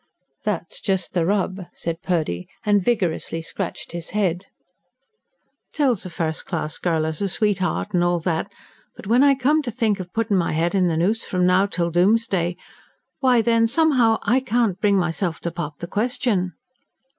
"That's just the rub," said Purdy, and vigorously scratched his head. "Till's a first class girl as a sweetheart and all that; but when I come to think of puttin' my head in the noose, from now till doomsday why then, somehow, I can't bring myself to pop the question."